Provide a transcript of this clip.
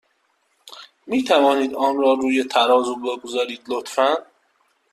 می توانید آن را روی ترازو بگذارید، لطفا؟